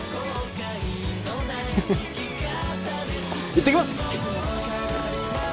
行ってきます！